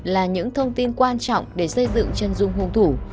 là những thông tin quan trọng để xây dựng chân dung hung thủ